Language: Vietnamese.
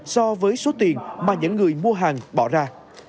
so với số tiền mà những người mua hàng bỏ ra